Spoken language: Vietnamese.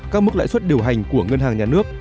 các mức lãi suất điều hành của ngân hàng nhà nước